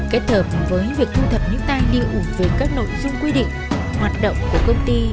kết hợp với việc thu thập những tài liệu về các nội dung quy định hoạt động của công ty